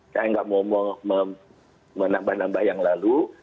saya nggak mau menambah nambah yang lalu